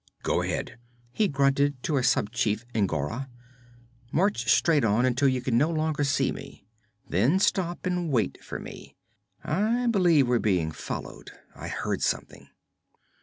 'Go ahead,' he grunted to a sub chief, N'Gora. 'March straight on until you can no longer see me; then stop and wait for me. I believe we're being followed. I heard something.'